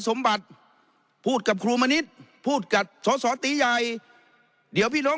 สมบัติพูดกับครูมณิษฐ์พูดกับสอสอตีใหญ่เดี๋ยวพี่น้อง